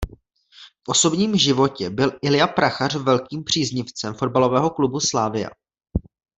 V osobním životě byl Ilja Prachař velkým příznivcem fotbalového klubu Slavia.